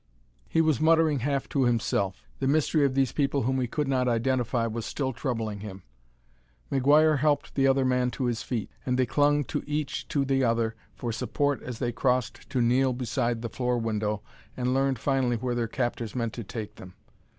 He was muttering half to himself; the mystery of these people whom he could not identify was still troubling him. McGuire helped the other man to his feet, and they clung to each to the other for support as they crossed to kneel beside the floor window and learn finally where their captors meant to take them.